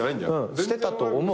してたと思う。